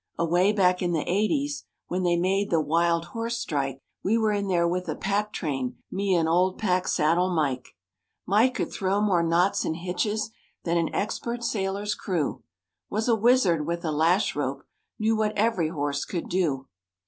Away back in the eighties When they made the Wild Horse strike;— We were in there with a pack train, Me and old Pack Saddle Mike. Mike could throw more knots and hitches Than an expert sailor's crew, Was a wizard with a lash rope, Knew what every horse could do.